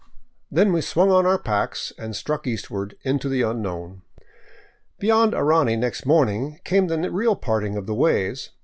Then we swung on our packs and struck eastward into the unknown. Beyond Arani next morning came the real parting of the ways.